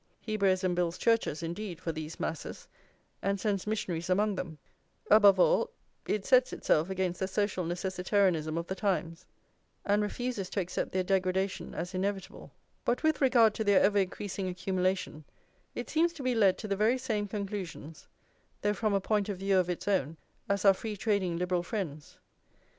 Hebraism builds churches, indeed, for these masses, and sends missionaries among them; above all, it sets itself against the social necessitarianism of The Times, and refuses to accept their degradation as inevitable; but with regard to their ever increasing accumulation, it seems to be led to the very same conclusions, though from a point of view of its own, as our free trading Liberal friends.